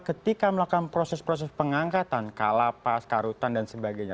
ketika melakukan proses proses pengangkatan kalapas karutan dan sebagainya